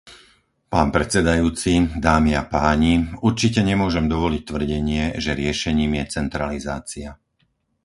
Pán predsedajúci, dámy a páni, určite nemôžem dovoliť tvrdenie, že riešením je centralizácia.